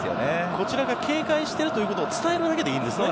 こちらが警戒してるということを伝えるだけでいいんですね。